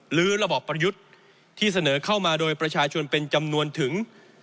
ระบอบประยุทธ์ที่เสนอเข้ามาโดยประชาชนเป็นจำนวนถึง